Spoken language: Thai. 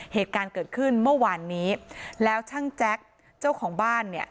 เหตุการณ์เกิดขึ้นเมื่อวานนี้แล้วช่างแจ็คเจ้าของบ้านเนี่ย